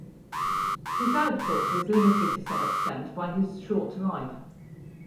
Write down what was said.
His output was limited to some extent by his short life.